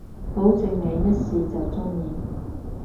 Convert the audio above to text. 保證你一試就中意